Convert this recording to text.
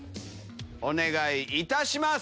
お願いいたします。